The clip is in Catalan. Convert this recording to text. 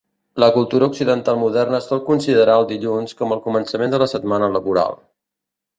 La cultura occidental moderna sol considerar el dilluns com el començament de la setmana laboral.